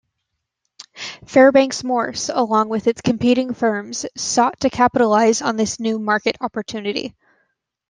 Fairbanks-Morse, along with its competing firms, sought to capitalize on this new market opportunity.